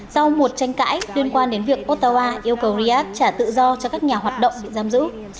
sau một tranh cãi liên quan đến việc otawa yêu cầu riyad trả tự do cho các nhà hoạt động bị giam giữ